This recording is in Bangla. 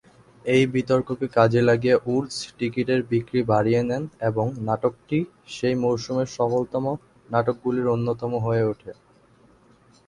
এই বিতর্ককে কাজে লাগিয়ে উডস টিকিটের বিক্রি বাড়িয়ে নেন এবং নাটকটি সেই মরসুমের সফলতম নাটকগুলির অন্যতম হয়ে ওঠে।